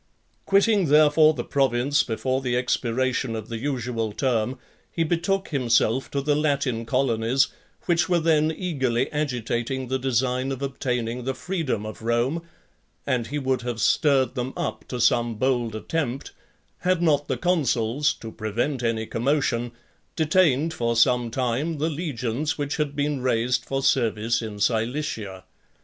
VIII. Quitting therefore the province before the expiration of the usual term, he betook himself to the Latin colonies, which were then eagerly agitating the design of obtaining the freedom of Rome; and he would have stirred them up to some bold attempt, had not the consuls, to prevent any commotion, detained for some time the legions which had been raised for service in Cilicia.